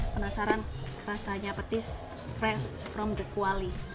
penasaran rasanya petis fresh from the qually